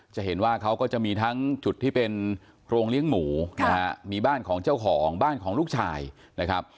จะเห็นว่าเขาก็จะมีทั้งจุดที่เป็นโรงเลี้ยงหมูนะฮะมีบ้านของเจ้าของบ้านของลูกชายนะครับ